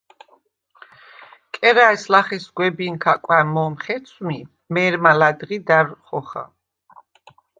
კერა̈ჲს ლახე სგვებინქა კვა̈მ მო̄მ ხეცვმი, მე̄რმა ლა̈დღი და̈რ ხოხა.